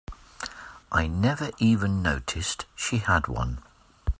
I never even noticed she had one.